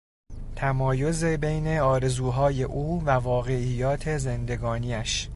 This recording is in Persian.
تمایز بین آرزوهای او و واقعیات زندگانیش